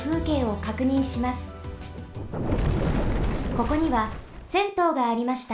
ここにはせんとうがありました。